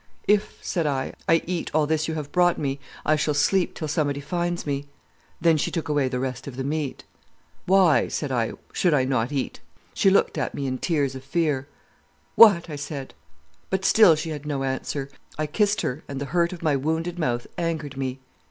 "'If,' said I, 'I eat all this you have brought me, I shall sleep till somebody finds me.' "Then she took away the rest of the meat. "'Why,' said I, 'should I not eat?' She looked at me in tears of fear. "'What?' I said, but still she had no answer. I kissed her, and the hurt of my wounded mouth angered me.